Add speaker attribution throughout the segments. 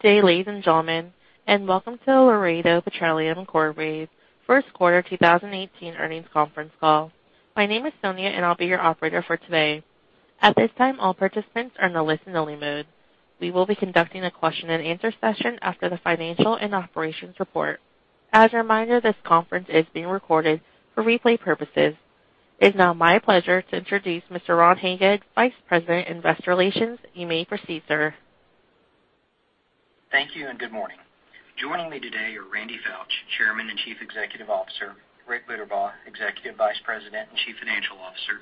Speaker 1: Good day, ladies and gentlemen, and welcome to Laredo Petroleum Corporation's first quarter 2018 earnings conference call. My name is Sonia, and I'll be your operator for today. At this time, all participants are in a listen-only mode. We will be conducting a question and answer session after the financial and operations report. As a reminder, this conference is being recorded for replay purposes. It is now my pleasure to introduce Mr. Ron Hagood, Vice President, Investor Relations. You may proceed, sir.
Speaker 2: Good morning. Joining me today are Randy Foutch, Chairman and Chief Executive Officer; Richard Buterbaugh, Executive Vice President and Chief Financial Officer;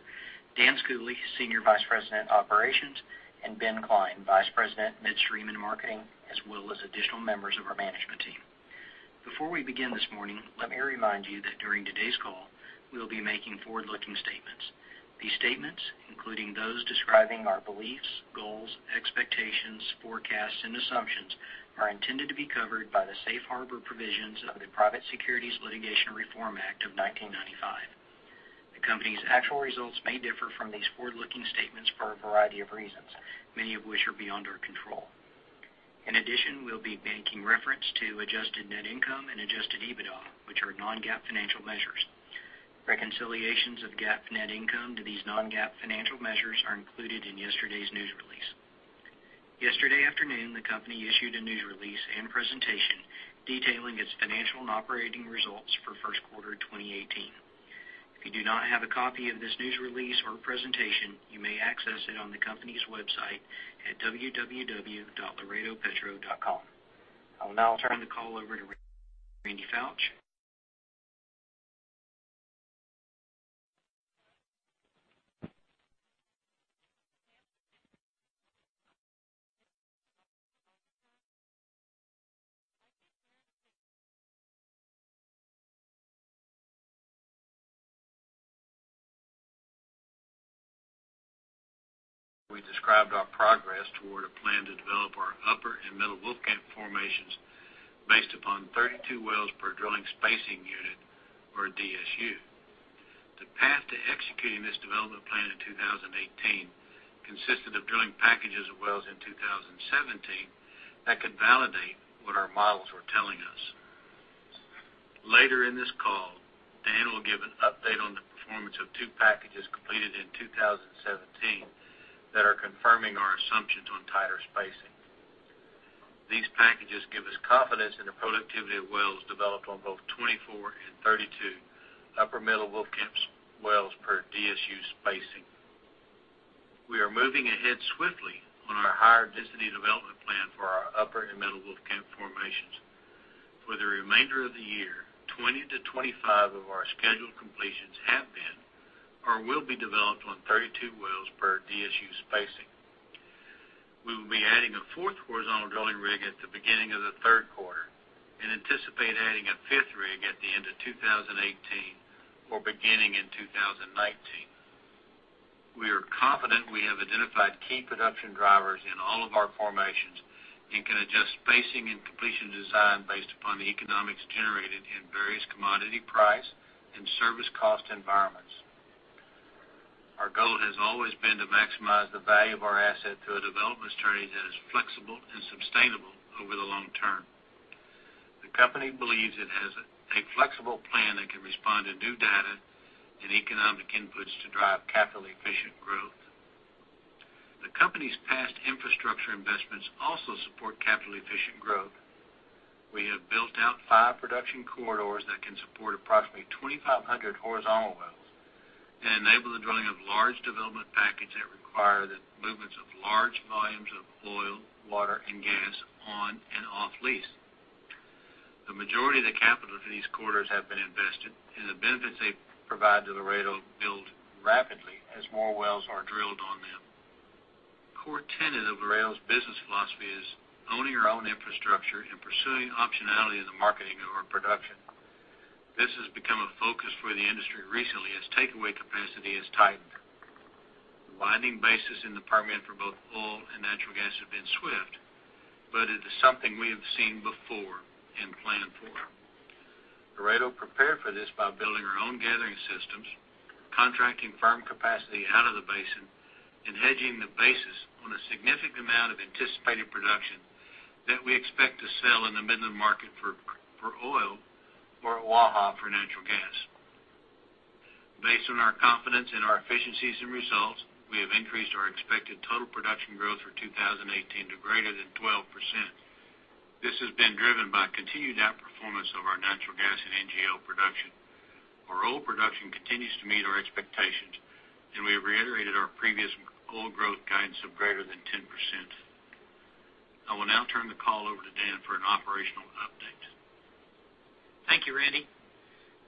Speaker 2: Dan Schooley, Senior Vice President, Operations; and Benjamin Klein, Vice President, Midstream and Marketing, as well as additional members of our management team. Before we begin this morning, let me remind you that during today's call, we will be making forward-looking statements. These statements, including those describing our beliefs, goals, expectations, forecasts, and assumptions, are intended to be covered by the safe harbor provisions of the Private Securities Litigation Reform Act of 1995. The company's actual results may differ from these forward-looking statements for a variety of reasons, many of which are beyond our control. In addition, we will be making reference to adjusted net income and adjusted EBITDA, which are non-GAAP financial measures. Reconciliations of GAAP net income to these non-GAAP financial measures are included in yesterday's news release. Yesterday afternoon, the company issued a news release and presentation detailing its financial and operating results for first quarter 2018. If you do not have a copy of this news release or presentation, you may access it on the company's website at www.laredopetro.com. I will now turn the call over to Randy Foutch.
Speaker 3: We described our progress toward a plan to develop our Upper and Middle Wolfcamp formations based upon 32 wells per drilling spacing unit or DSU. The path to executing this development plan in 2018 consisted of drilling packages of wells in 2017 that could validate what our models were telling us. Later in this call, Dan will give an update on the performance of two packages completed in 2017 that are confirming our assumptions on tighter spacing. These packages give us confidence in the productivity of wells developed on both 24 and 32 Upper and Middle Wolfcamp wells per DSU spacing. We are moving ahead swiftly on our higher density development plan for our Upper and Middle Wolfcamp formations. For the remainder of the year, 20-25 of our scheduled completions have been or will be developed on 32 wells per DSU spacing. We will be adding a fourth horizontal drilling rig at the beginning of the third quarter and anticipate adding a fifth rig at the end of 2018 or beginning in 2019. We are confident we have identified key production drivers in all of our formations and can adjust spacing and completion design based upon the economics generated in various commodity price and service cost environments. Our goal has always been to maximize the value of our asset through a development strategy that is flexible and sustainable over the long term. The company believes it has a flexible plan that can respond to new data and economic inputs to drive capitally efficient growth. The company's past infrastructure investments also support capitally efficient growth. We have built out five production corridors that can support approximately 2,500 horizontal wells and enable the drilling of large development packages that require the movements of large volumes of oil, water, and gas on and off lease. The majority of the capital for these corridors have been invested, the benefits they provide to Laredo build rapidly as more wells are drilled on them. Core tenet of Laredo's business philosophy is owning our own infrastructure and pursuing optionality in the marketing of our production. This has become a focus for the industry recently as takeaway capacity has tightened. Widening basis in the Permian for both oil and natural gas have been swift, it is something we have seen before and planned for. Laredo prepared for this by building our own gathering systems, contracting firm capacity out of the basin, hedging the basis on a significant amount of anticipated production that we expect to sell in the Midland market for oil or Waha for natural gas. Based on our confidence in our efficiencies and results, we have increased our expected total production growth for 2018 to greater than 12%. This has been driven by continued outperformance of our natural gas and NGL production. Our oil production continues to meet our expectations, we have reiterated our previous oil growth guidance of greater than 10%. I will now turn the call over to Dan for an operational update.
Speaker 4: Thank you, Randy.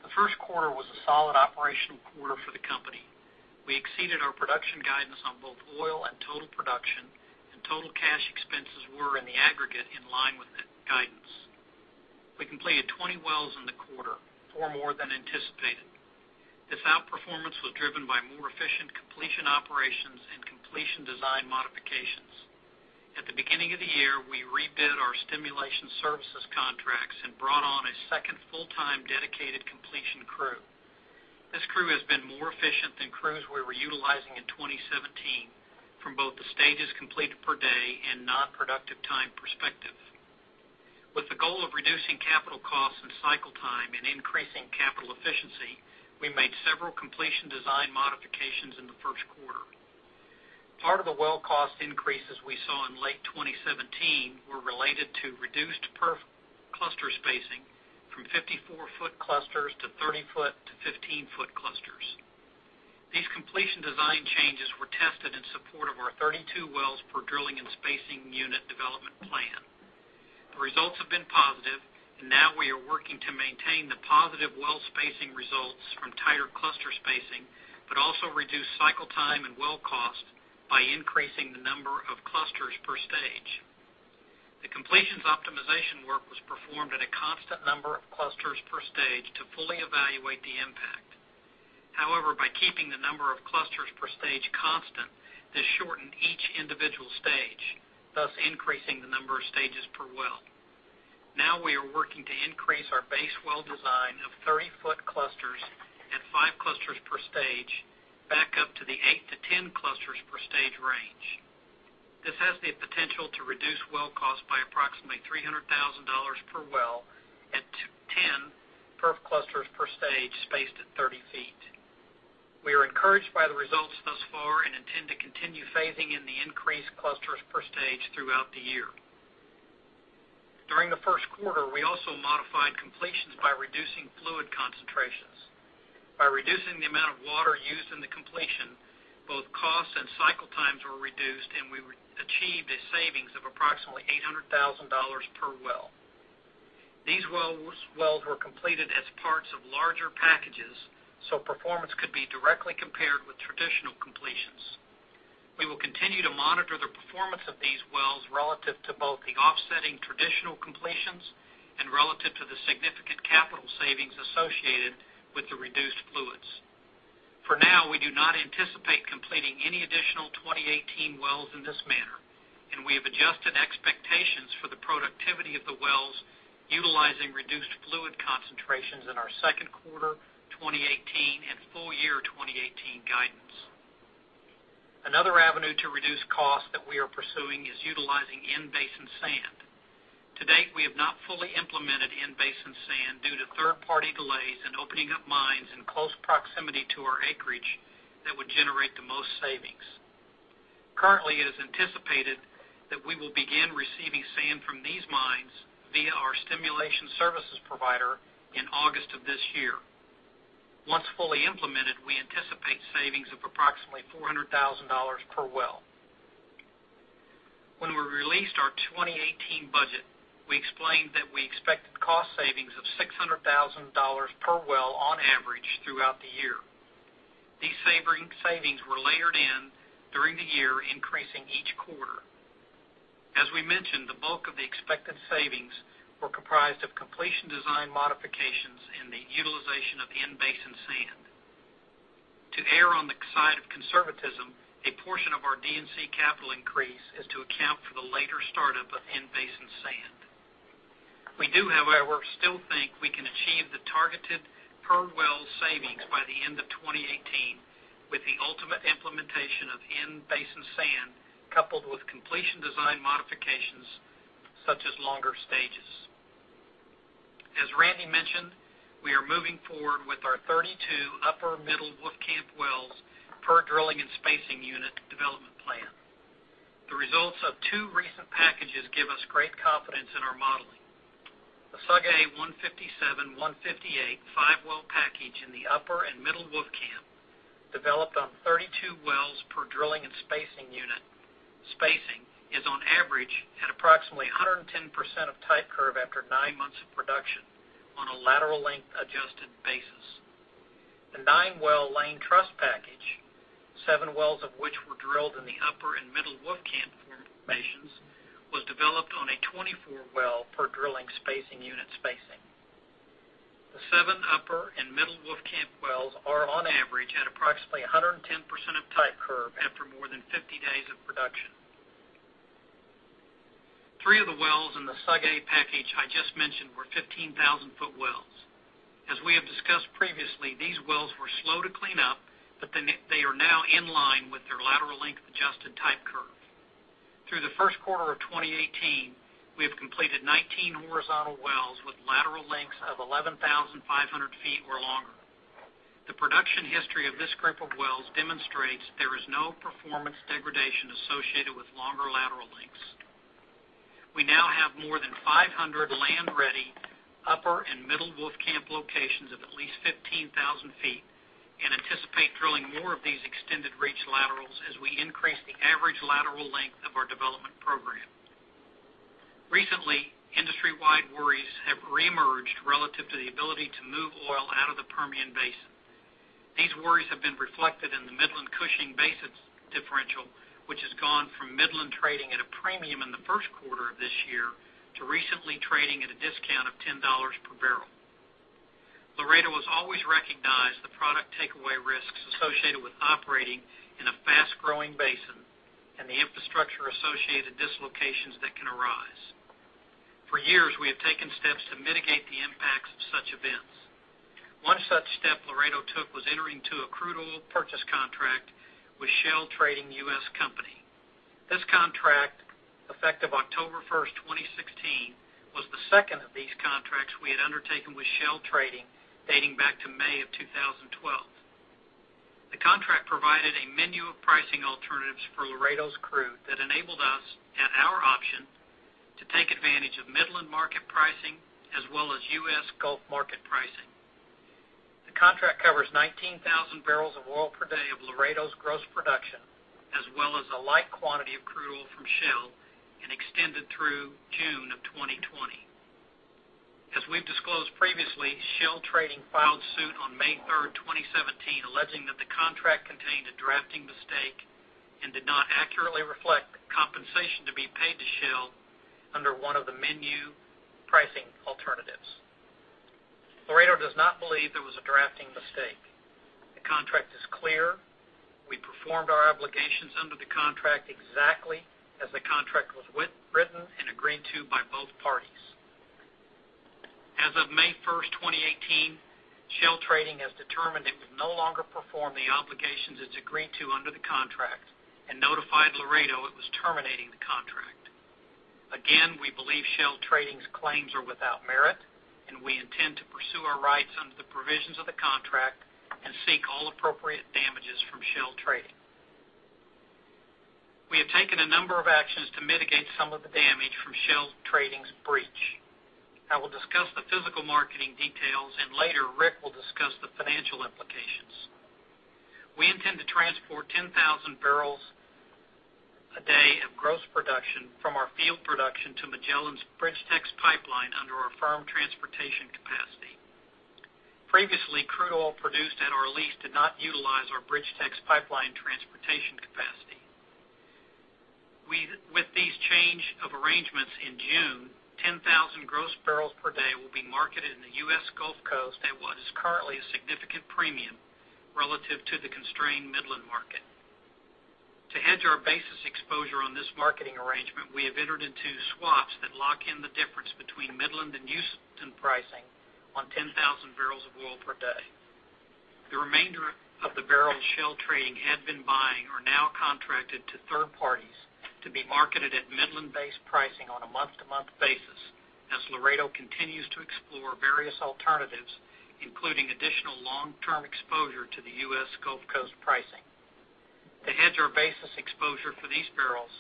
Speaker 4: The first quarter was a solid operational quarter for the company. We exceeded our production guidance on both oil and total production, total cash expenses were in the aggregate in line with the guidance. We completed 20 wells in the quarter, four more than anticipated. This outperformance was driven by more efficient completion operations and completion design modifications. At the beginning of the year, we rebid our stimulation services contracts and brought on a second full-time dedicated completion crew. This crew has been more efficient than crews we were utilizing in 2017 from both the stages completed per day and non-productive time perspective. With the goal of reducing capital costs and cycle time and increasing capital efficiency, we made several completion design modifications in the first quarter. Part of the well cost increases we saw in late 2017 were related to reduced perf cluster spacing from 54-foot clusters to 30-foot to 15-foot clusters. These completion design changes were tested in support of our 32 wells per drilling and spacing unit development plan. Now we are working to maintain the positive well spacing results from tighter cluster spacing, but also reduce cycle time and well cost by increasing the number of clusters per stage. The completions optimization work was performed at a constant number of clusters per stage to fully evaluate the impact. However, by keeping the number of clusters per stage constant, this shortened each individual stage, thus increasing the number of stages per well. Now we are working to increase our base well design of 30-foot clusters at five clusters per stage back up to the eight to 10 clusters per stage range. This has the potential to reduce well cost by approximately $300,000 per well at 10 perf clusters per stage, spaced at 30 feet. We are encouraged by the results thus far and intend to continue phasing in the increased clusters per stage throughout the year. During the first quarter, we also modified completions by reducing fluid concentrations. By reducing the amount of water used in the completion, both costs and cycle times were reduced, and we achieved a savings of approximately $800,000 per well. These wells were completed as parts of larger packages, so performance could be directly compared with traditional completions. We will continue to monitor the performance of these wells relative to both the offsetting traditional completions and relative to the significant capital savings associated with the reduced fluids. For now, we do not anticipate completing any additional 2018 wells in this manner, and we have adjusted expectations for the productivity of the wells utilizing reduced fluid concentrations in our second quarter 2018 and full year 2018 guidance. Another avenue to reduce costs that we are pursuing is utilizing in-basin sand. To date, we have not fully implemented in-basin sand due to third-party delays in opening up mines in close proximity to our acreage that would generate the most savings. Currently, it is anticipated that we will begin receiving sand from these mines via our stimulation services provider in August of this year. Once fully implemented, we anticipate savings of approximately $400,000 per well. When we released our 2018 budget, we explained that we expected cost savings of $600,000 per well on average throughout the year. These savings were layered in during the year, increasing each quarter. As we mentioned, the bulk of the expected savings were comprised of completion design modifications and the utilization of in-basin sand. To err on the side of conservatism, a portion of our D&C capital increase is to account for the later startup of in-basin sand. We do, however, still think we can achieve the targeted per-well savings by the end of 2018 with the ultimate implementation of in-basin sand, coupled with completion design modifications such as longer stages. As Randy mentioned, we are moving forward with our 32 Upper Middle Wolfcamp wells per drilling and spacing unit development plan. The results of two recent packages give us great confidence in our modeling. The Sug A 157, 158 five-well package in the Upper and Middle Wolfcamp, developed on 32 wells per drilling and spacing unit spacing, is on average at approximately 110% of type curve after nine months of production on a lateral length adjusted basis. The nine-well Lane Trust package, seven wells of which were drilled in the Upper and Middle Wolfcamp formations, was developed on a 24-well per drilling spacing unit spacing. The seven Upper and Middle Wolfcamp wells are, on average, at approximately 110% of type curve after more than 50 days of production. Three of the wells in the Sug A package I just mentioned were 15,000 foot wells. As we have discussed previously, these wells were slow to clean up, but they are now in line with their lateral length adjusted type curve. Through the first quarter of 2018, we have completed 19 horizontal wells with lateral lengths of 11,500 feet or longer. The production history of this group of wells demonstrates there is no performance degradation associated with longer lateral lengths. We now have more than 500 land-ready Upper and Middle Wolfcamp locations of at least 15,000 feet and anticipate drilling more of these extended reach laterals as we increase the average lateral length of our development program. Recently, industry-wide worries have reemerged relative to the ability to move oil out of the Permian Basin. These worries have been reflected in the Midland-Cushing basis differential, which has gone from Midland trading at a premium in the first quarter of this year to recently trading at a discount of $10 per barrel. Laredo has always recognized the product takeaway risks associated with operating in a fast-growing basin and the infrastructure associated dislocations that can arise. For years, we have taken steps to mitigate the impacts of such events. One such step Laredo took was entering into a crude oil purchase contract with Shell Trading U.S. Company. This contract, effective October 1st, 2016, was the second of these contracts we had undertaken with Shell Trading dating back to May of 2012. The contract provided a menu of pricing alternatives for Laredo's crude that enabled us, at our option, to take advantage of Midland market pricing as well as U.S. Gulf market pricing. The contract covers 19,000 barrels of oil per day of Laredo's gross production, as well as a like quantity of crude oil from Shell, and extended through June of 2020. As we've disclosed previously, Shell Trading filed suit on May 3rd, 2017, alleging that the contract contained a drafting mistake and did not accurately reflect the compensation to be paid to Shell under one of the menu pricing alternatives. Laredo does not believe there was a drafting mistake. The contract is clear. We performed our obligations under the contract exactly as the contract was written and agreed to by both parties. As of May 1st, 2018, Shell Trading has determined it would no longer perform the obligations it's agreed to under the contract and notified Laredo it was terminating the contract. Again, we believe Shell Trading's claims are without merit, and we intend to pursue our rights under the provisions of the contract and seek all appropriate damages from Shell Trading. We have taken a number of actions to mitigate some of the damage from Shell Trading's breach. I will discuss the physical marketing details. Later, Rick will discuss the financial implications. We intend to transport 10,000 barrels a day of gross production from our field production to Magellan's BridgeTex pipeline under our firm transportation capacity. Previously, crude oil produced at our lease did not utilize our BridgeTex pipeline transportation capacity. With these change of arrangements in June, 10,000 gross barrels per day will be marketed in the U.S. Gulf Coast at what is currently a significant premium relative to the constrained Midland market. To hedge our basis exposure on this marketing arrangement, we have entered into swaps that lock in the difference between Midland and Houston pricing on 10,000 barrels of oil per day. The remainder of the barrels Shell Trading had been buying are now contracted to third parties to be marketed at Midland-based pricing on a month-to-month basis as Laredo continues to explore various alternatives, including additional long-term exposure to the U.S. Gulf Coast pricing. To hedge our basis exposure for these barrels,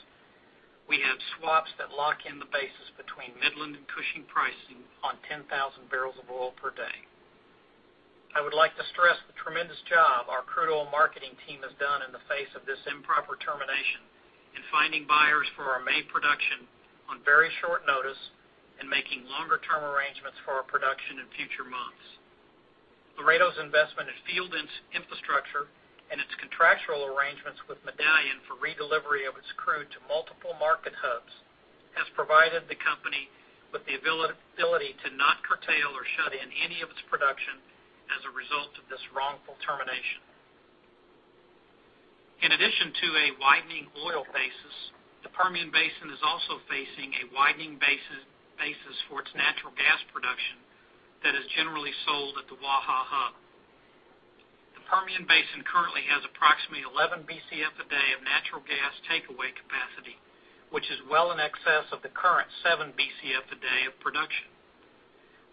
Speaker 4: we have swaps that lock in the basis between Midland and Cushing pricing on 10,000 barrels of oil per day. I would like to stress the tremendous job our crude oil marketing team has done in the face of this improper termination in finding buyers for our May production on very short notice and making longer-term arrangements for our production in future months. Laredo's investment in field infrastructure and its contractual arrangements with Medallion for redelivery of its crude to multiple market hubs has provided the company with the ability to not curtail or shut in any of its production as a result of this wrongful termination. In addition to a widening oil basis, the Permian Basin is also facing a widening basis for its natural gas production that is generally sold at the Waha hub. The Permian Basin currently has approximately 11 Bcf a day of natural gas takeaway capacity, which is well in excess of the current 7 Bcf a day of production.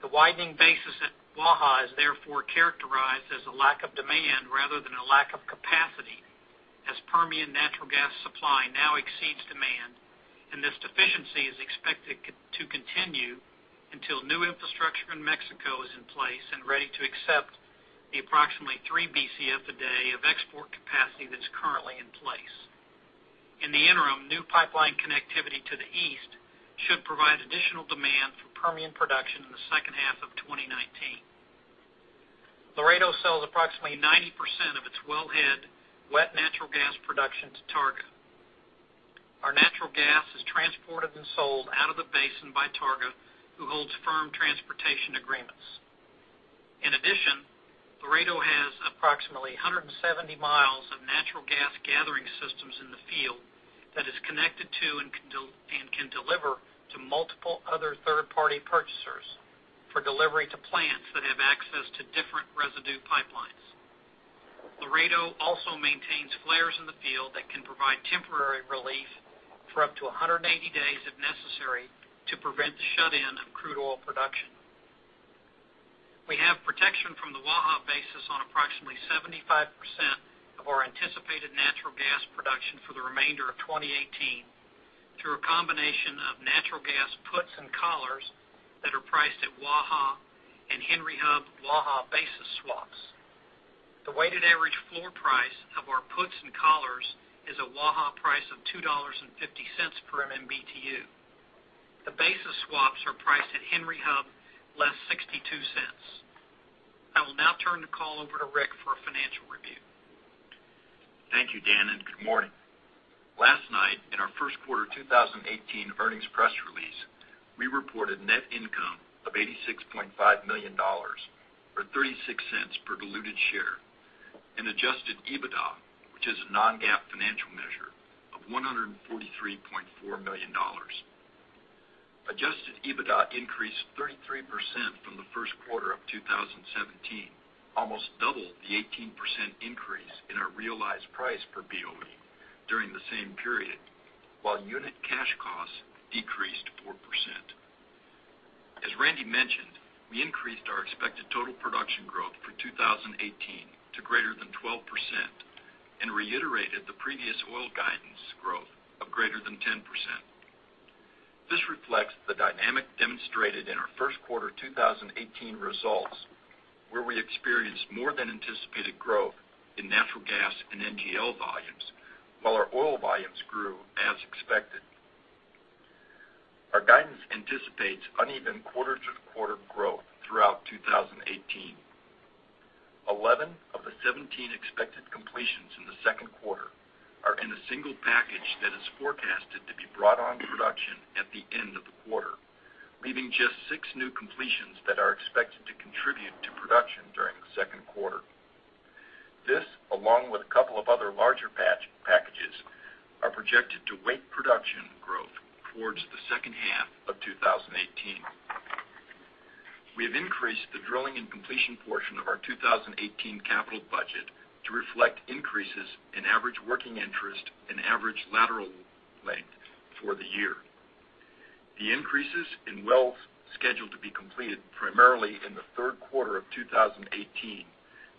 Speaker 4: The widening basis at Waha is therefore characterized as a lack of demand rather than a lack of capacity, as Permian natural gas supply now exceeds demand. This deficiency is expected to continue until new infrastructure in Mexico is in place and ready to accept the approximately 3 Bcf a day of export capacity that's currently in place. In the interim, new pipeline connectivity to the east should provide additional demand for Permian production in the second half of 2019. Laredo sells approximately 90% of its wellhead wet natural gas production to Targa. Our natural gas is transported and sold out of the basin by Targa, who holds firm transportation agreements. In addition, Laredo has approximately 170 miles of natural gas gathering systems in the field that is connected to and can deliver to multiple other third-party purchasers for delivery to plants that have access to different residue pipelines. Laredo also maintains flares in the field that can provide temporary relief for up to 180 days if necessary to prevent the shut-in of crude oil production. We have protection from the Waha basis on approximately 75% of our anticipated natural gas production for the remainder of 2018 through a combination of natural gas puts and collars that are priced at Waha and Henry Hub Waha basis swaps. The weighted average floor price of our puts and collars is a Waha price of $2.50 per MMBtu. The basis swaps are priced at Henry Hub less $0.62. I will now turn the call over to Rick for a financial review.
Speaker 5: Thank you, Dan, and good morning. Last night, in our first quarter 2018 earnings press release, we reported net income of $86.5 million, or $0.36 per diluted share, and adjusted EBITDA, which is a non-GAAP financial Of $143.4 million. Adjusted EBITDA increased 33% from the first quarter of 2017, almost double the 18% increase in our realized price per BOE during the same period, while unit cash costs decreased 4%. As Randy mentioned, we increased our expected total production growth for 2018 to greater than 12% and reiterated the previous oil guidance growth of greater than 10%. This reflects the dynamic demonstrated in our first quarter 2018 results, where we experienced more than anticipated growth in natural gas and NGL volumes, while our oil volumes grew as expected. Our guidance anticipates uneven quarter-to-quarter growth throughout 2018. 11 of the 17 expected completions in the second quarter are in a single package that is forecasted to be brought on to production at the end of the quarter, leaving just six new completions that are expected to contribute to production during the second quarter. This, along with a couple of other larger packages, are projected to weight production growth towards the second half of 2018. We have increased the drilling and completion portion of our 2018 capital budget to reflect increases in average working interest and average lateral length for the year. The increases in wells scheduled to be completed primarily in the third quarter of 2018,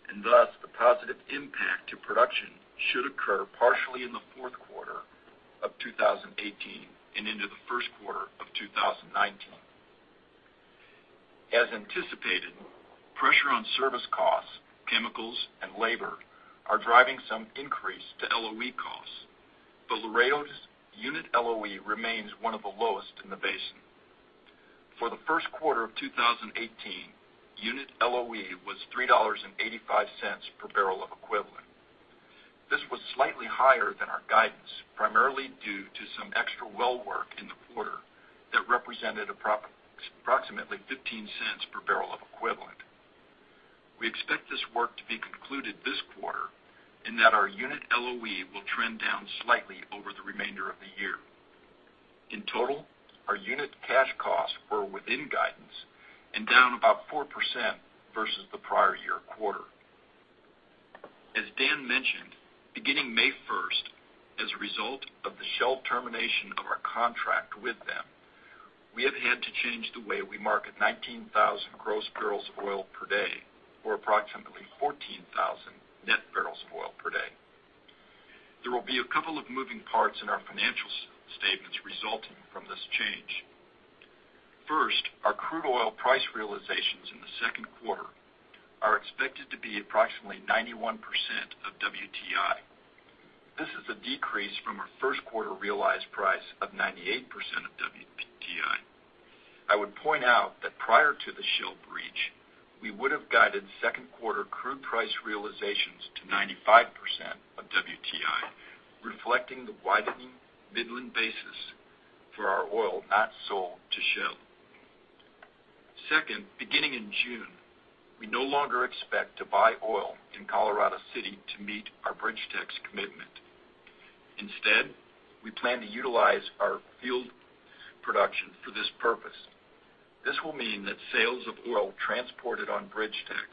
Speaker 5: and thus the positive impact to production should occur partially in the fourth quarter of 2018 and into the first quarter of 2019. As anticipated, pressure on service costs, chemicals, and labor are driving some increase to LOE costs. Laredo's unit LOE remains one of the lowest in the basin. For the first quarter of 2018, unit LOE was $3.85 per barrel of equivalent. This was slightly higher than our guidance, primarily due to some extra well work in the quarter that represented approximately $0.15 per barrel of equivalent. We expect this work to be concluded this quarter, and that our unit LOE will trend down slightly over the remainder of the year. In total, our unit cash costs were within guidance and down about 4% versus the prior year quarter. As Dan mentioned, beginning May 1st, as a result of the Shell termination of our contract with them, we have had to change the way we market 19,000 gross barrels of oil per day or approximately 14,000 net barrels of oil per day. There will be a couple of moving parts in our financial statements resulting from this change. First, our crude oil price realizations in the second quarter are expected to be approximately 91% of WTI. This is a decrease from our first quarter realized price of 98% of WTI. I would point out that prior to the Shell breach, we would have guided second quarter crude price realizations to 95% of WTI, reflecting the widening Midland basis for our oil not sold to Shell. Second, beginning in June, we no longer expect to buy oil in Colorado City to meet our BridgeTex commitment. Instead, we plan to utilize our field production for this purpose. This will mean that sales of oil transported on BridgeTex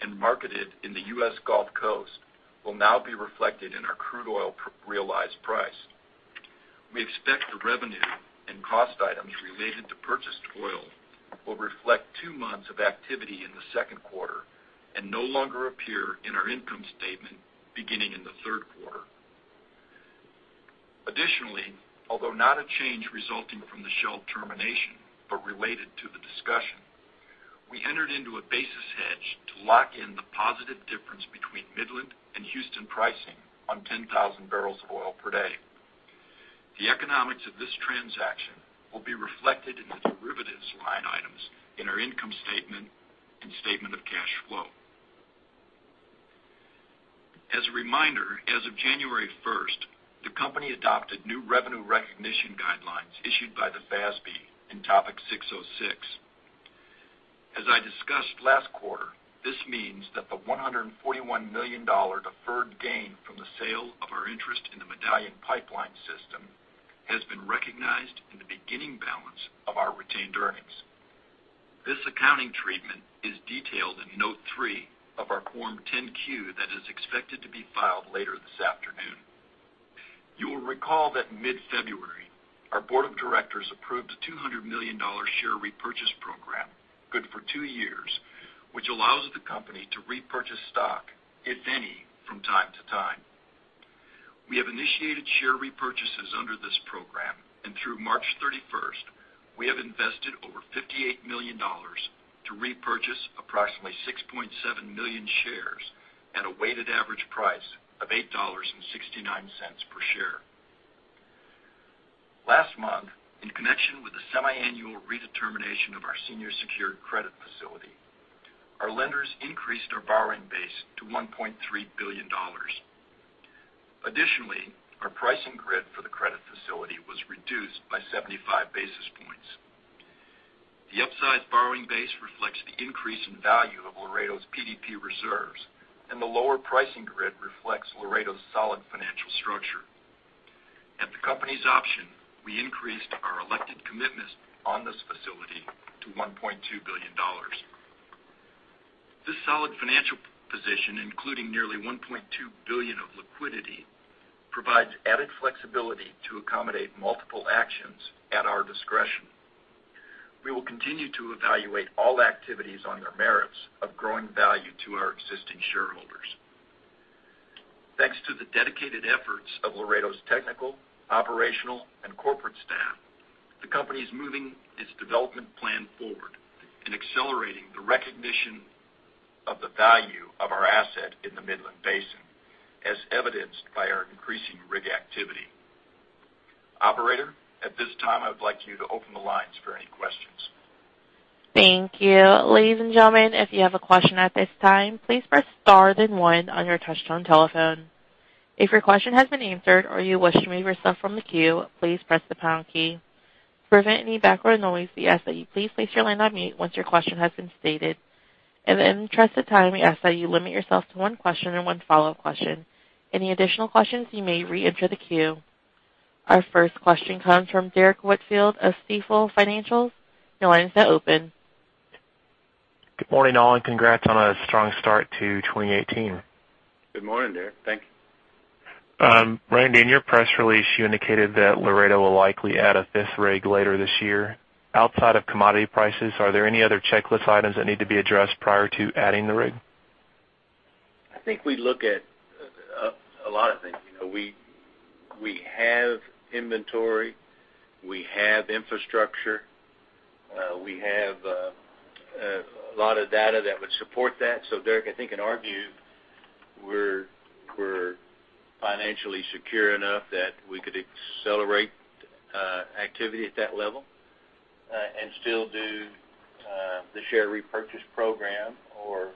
Speaker 5: and marketed in the U.S. Gulf Coast will now be reflected in our crude oil realized price. We expect the revenue and cost items related to purchased oil will reflect two months of activity in the second quarter and no longer appear in our income statement beginning in the third quarter. Although not a change resulting from the Shell termination, but related to the discussion, we entered into a basis hedge to lock in the positive difference between Midland and Houston pricing on 10,000 barrels of oil per day. The economics of this transaction will be reflected in the derivatives line items in our income statement and statement of cash flow. As a reminder, as of January 1st, the company adopted new revenue recognition guidelines issued by the FASB in Topic 606. As I discussed last quarter, this means that the $141 million deferred gain from the sale of our interest in the Medallion Pipeline system has been recognized in the beginning balance of our retained earnings. This accounting treatment is detailed in Note 3 of our Form 10-Q that is expected to be filed later this afternoon. You will recall that mid-February, our board of directors approved a $200 million share repurchase program, good for two years, which allows the company to repurchase stock, if any, from time to time. We have initiated share repurchases under this program, and through March 31st, we have invested over $58 million to repurchase approximately 6.7 million shares at a weighted average price of $8.69 per share. Last month, in connection with the semiannual redetermination of our senior secured credit facility, our lenders increased our borrowing base to $1.3 billion. Our pricing grid 75 basis points. The upsized borrowing base reflects the increase in value of Laredo's PDP reserves, and the lower pricing grid reflects Laredo's solid financial structure. At the company's option, we increased our elected commitment on this facility to $1.2 billion. This solid financial position, including nearly $1.2 billion of liquidity, provides added flexibility to accommodate multiple actions at our discretion. We will continue to evaluate all activities on their merits of growing value to our existing shareholders. Thanks to the dedicated efforts of Laredo's technical, operational, and corporate staff, the company is moving its development plan forward and accelerating the recognition of the value of our asset in the Midland Basin, as evidenced by our increasing rig activity. Operator, at this time, I would like you to open the lines for any questions.
Speaker 1: Thank you. Ladies and gentlemen, if you have a question at this time, please press star then one on your touchtone telephone. If your question has been answered or you wish to remove yourself from the queue, please press the pound key. To prevent any background noise, we ask that you please place your line on mute once your question has been stated. In the interest of time, we ask that you limit yourself to one question and one follow-up question. Any additional questions, you may reenter the queue. Our first question comes from Derrick Whitfield of Stifel Financial Corp. Your line is now open.
Speaker 6: Good morning, all, and congrats on a strong start to 2018.
Speaker 3: Good morning, Derrick. Thank you.
Speaker 6: Randy, in your press release, you indicated that Laredo will likely add a fifth rig later this year. Outside of commodity prices, are there any other checklist items that need to be addressed prior to adding the rig?
Speaker 3: I think we look at a lot of things. We have inventory. We have infrastructure. We have a lot of data that would support that. Derrick, I think in our view, we're financially secure enough that we could accelerate activity at that level, and still do the share repurchase program or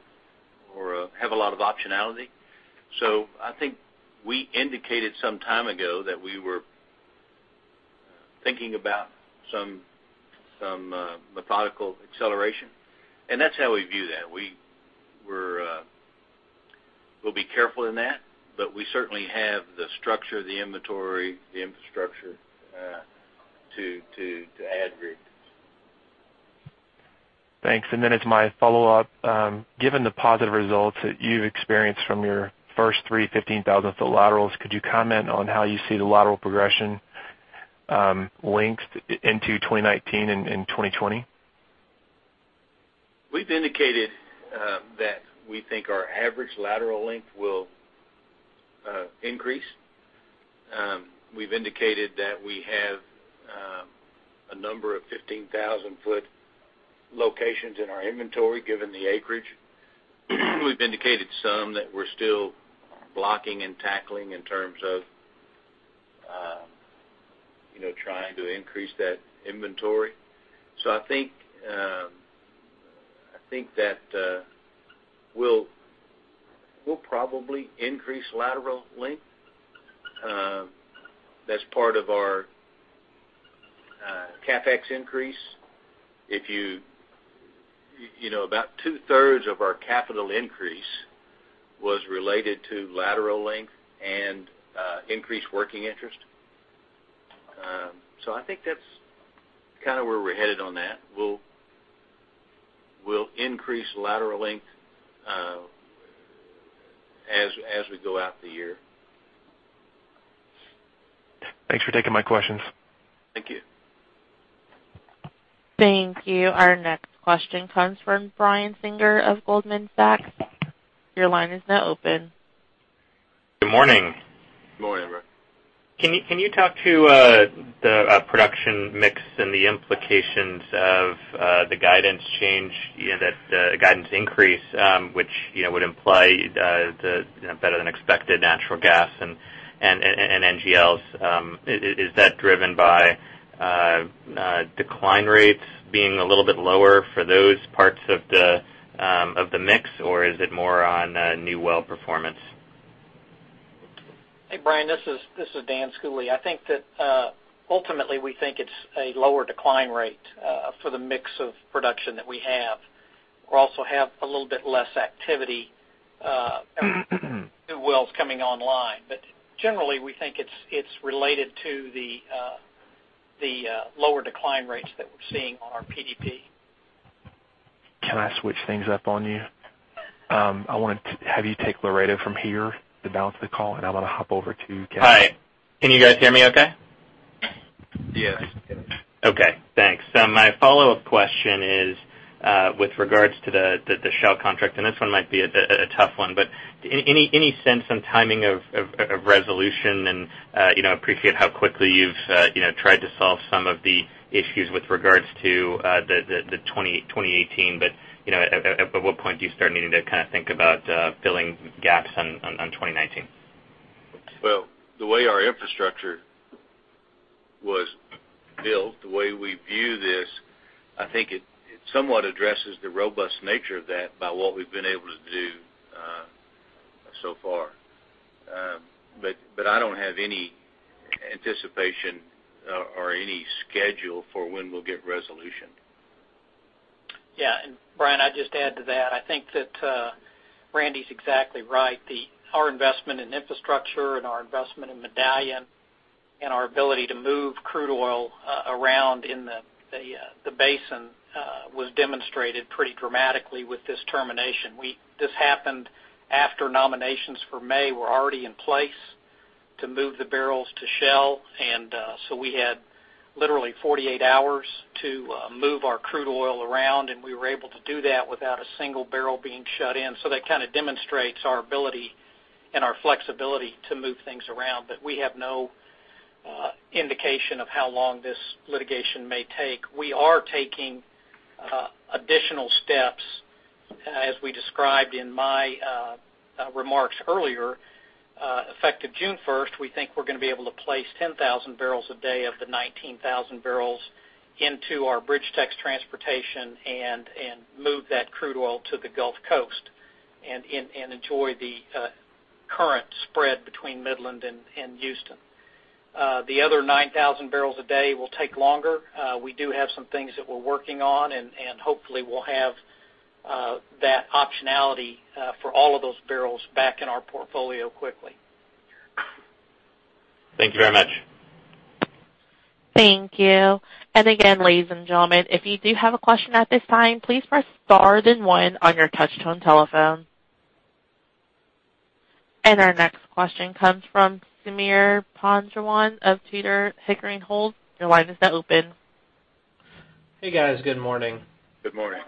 Speaker 3: have a lot of optionality. I think we indicated some time ago that we were thinking about some methodical acceleration, and that's how we view that. We'll be careful in that, we certainly have the structure, the inventory, the infrastructure to add rigs.
Speaker 6: Thanks. As my follow-up, given the positive results that you've experienced from your first three 15,000-foot laterals, could you comment on how you see the lateral progression links into 2019 and 2020?
Speaker 3: We've indicated that we think our average lateral length will increase. We've indicated that we have a number of 15,000-foot locations in our inventory, given the acreage. We've indicated some that we're still blocking and tackling in terms of trying to increase that inventory. I think that we'll probably increase lateral length. That's part of our CapEx increase. About two-thirds of our capital increase was related to lateral length and increased working interest. I think that's where we're headed on that. We'll increase lateral length as we go out the year.
Speaker 6: Thanks for taking my questions.
Speaker 3: Thank you.
Speaker 1: Thank you. Our next question comes from Brian Singer of Goldman Sachs. Your line is now open.
Speaker 7: Good morning.
Speaker 3: Morning, Brian.
Speaker 7: Can you talk to the production mix and the implications of the guidance change, that guidance increase, which would imply the better-than-expected natural gas and NGLs? Is that driven by decline rates being a little bit lower for those parts of the mix, or is it more on new well performance?
Speaker 4: Hey, Brian, this is Dan Schooley. I think that ultimately we think it's a lower decline rate for the mix of production that we have. We also have a little bit less activity new wells coming online. Generally, we think it's related to the lower decline rates that we're seeing on our PDP.
Speaker 7: Can I switch things up on you? I want to have you take Laredo from here, the balance of the call, and I want to hop over to Gas. Hi. Can you guys hear me okay?
Speaker 3: Yes.
Speaker 7: Okay, thanks. My follow-up question is with regards to the Shell contract, and this one might be a tough one, but any sense on timing of resolution and appreciate how quickly you've tried to solve some of the issues with regards to the 2018, but at what point do you start needing to think about filling gaps on 2019?
Speaker 3: Well, the way our infrastructure was built, the way we view this, I think it somewhat addresses the robust nature of that by what we've been able to do So far. I don't have any anticipation or any schedule for when we'll get resolution.
Speaker 4: Yeah, Brian, I'd just add to that. I think that Randy's exactly right. Our investment in infrastructure and our investment in Medallion and our ability to move crude oil around in the basin was demonstrated pretty dramatically with this termination. This happened after nominations for May were already in place to move the barrels to Shell. We had literally 48 hours to move our crude oil around, and we were able to do that without a single barrel being shut in. That kind of demonstrates our ability and our flexibility to move things around. We have no indication of how long this litigation may take. We are taking additional steps, as we described in my remarks earlier. Effective June 1st, we think we're going to be able to place 10,000 barrels a day of the 19,000 barrels into our BridgeTex transportation and move that crude oil to the Gulf Coast and enjoy the current spread between Midland and Houston. The other 9,000 barrels a day will take longer. We do have some things that we're working on, and hopefully, we'll have that optionality for all of those barrels back in our portfolio quickly.
Speaker 7: Thank you very much.
Speaker 1: Thank you. Again, ladies and gentlemen, if you do have a question at this time, please press star then one on your touch-tone telephone. Our next question comes from Sameer Panjwani of Tudor, Pickering, Holt. Your line is now open.
Speaker 8: Hey, guys. Good morning.
Speaker 3: Good morning.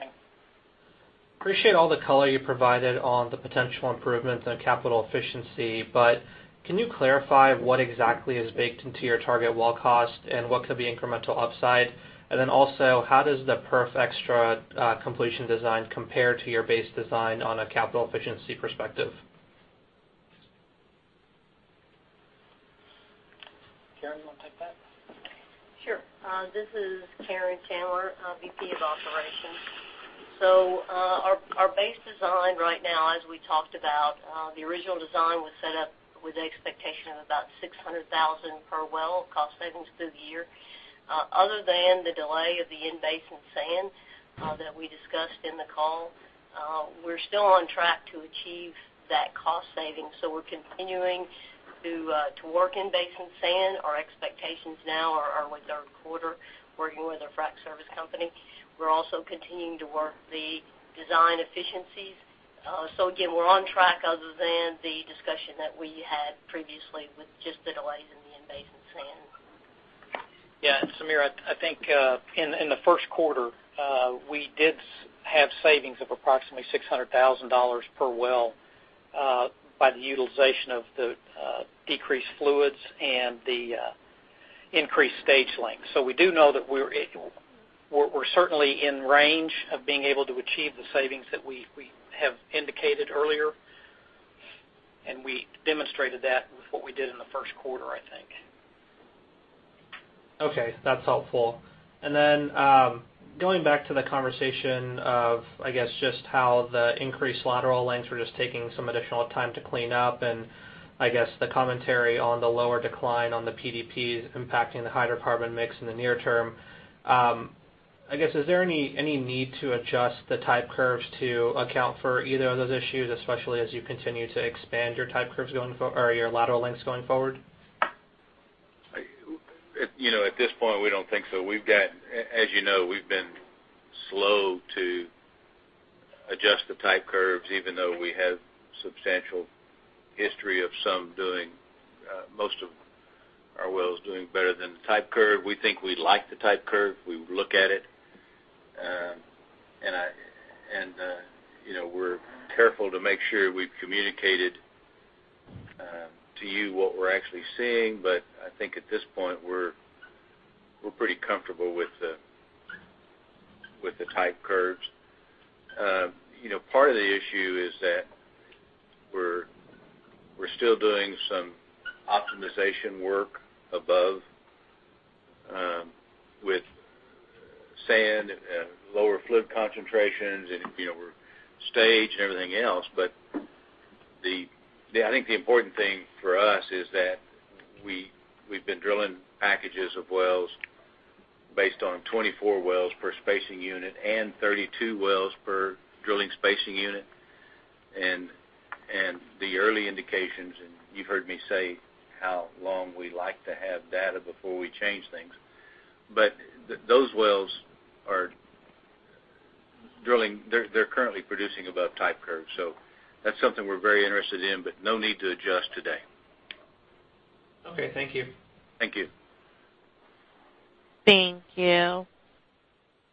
Speaker 8: Appreciate all the color you provided on the potential improvements and capital efficiency. Can you clarify what exactly is baked into your target well cost and what could be incremental upside? Also, how does the PerfXtra completion design compare to your base design on a capital efficiency perspective?
Speaker 4: Karen, you want to take that?
Speaker 9: Sure. This is Karen Chandler, VP of Operations. Our base design right now, as we talked about, the original design was set up with the expectation of about $600,000 per well cost savings through the year. Other than the delay of the in-basin sand that we discussed in the call, we're still on track to achieve that cost saving. We're continuing to work in-basin sand. Our expectations now are with our quarter, working with our frac service company. We're also continuing to work the design efficiencies. Again, we're on track other than the discussion that we had previously with just the delays in the in-basin sand.
Speaker 4: Yeah, Sameer, I think in the first quarter, we did have savings of approximately $600,000 per well by the utilization of the decreased fluids and the increased stage length. We do know that we're certainly in range of being able to achieve the savings that we have indicated earlier, and we demonstrated that with what we did in the first quarter, I think.
Speaker 8: Okay. That's helpful. Going back to the conversation of, I guess, just how the increased lateral lengths were just taking some additional time to clean up, and I guess the commentary on the lower decline on the PDPs impacting the hydrocarbon mix in the near term. I guess, is there any need to adjust the type curves to account for either of those issues, especially as you continue to expand your type curves or your lateral lengths going forward?
Speaker 3: At this point, we don't think so. As you know, we've been slow to adjust the type curves, even though we have substantial history of some doing, most of our wells doing better than the type curve. We think we like the type curve. We look at it. We're careful to make sure we've communicated to you what we're actually seeing. I think at this point, we're pretty comfortable with the type curves. Part of the issue is that we're still doing some optimization work above with sand and lower fluid concentrations, and we stage and everything else. I think the important thing for us is that we've been drilling packages of wells based on 24 wells per spacing unit and 32 wells per drilling spacing unit. The early indications, and you've heard me say how long we like to have data before we change things, those wells are currently producing above type curve. That's something we're very interested in, no need to adjust today.
Speaker 8: Okay. Thank you.
Speaker 3: Thank you.
Speaker 1: Thank you.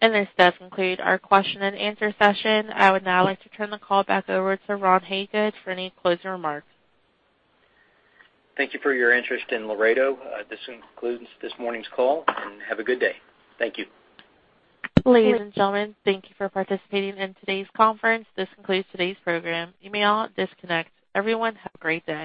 Speaker 1: This does conclude our question and answer session. I would now like to turn the call back over to Ron Hagood for any closing remarks.
Speaker 2: Thank you for your interest in Laredo. This concludes this morning's call, and have a good day. Thank you.
Speaker 1: Ladies and gentlemen, thank you for participating in today's conference. This concludes today's program. You may all disconnect. Everyone, have a great day.